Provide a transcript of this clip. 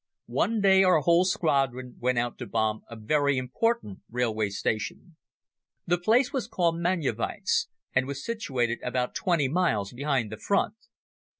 One day our whole squadron went out to bomb a very important railway station. The place was called Manjewicze and was situated about twenty miles behind the Front.